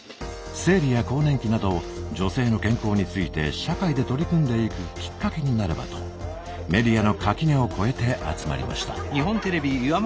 生理や更年期など女性の健康について社会で取り組んでいくきっかけになればとメディアの垣根を越えて集まりました。